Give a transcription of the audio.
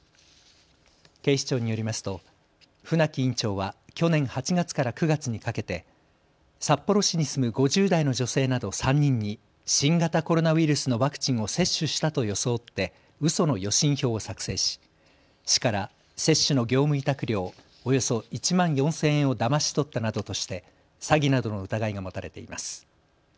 警視庁によりますと船木院長は去年８月から９月にかけて札幌市に住む５０代の女性など３人に新型コロナウイルスのワクチンを接種したと装ってうその予診票を作成し市から接種の業務委託料およそ１万４０００円をだまし取ったなどとして詐欺などの疑いが持たれています。